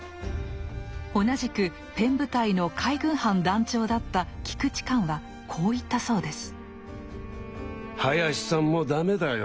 同じくペン部隊の海軍班団長だった菊池寛はこう言ったそうです。